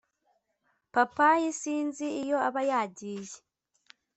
papayi sinzi iyo aba yagiye